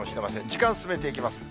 時間進めていきます。